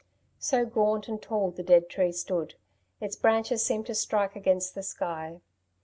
So gaunt and tall the dead tree stood. Its branches seemed to strike against the sky.